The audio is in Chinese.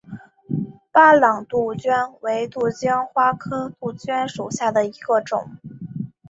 巴朗杜鹃为杜鹃花科杜鹃属下的一个种。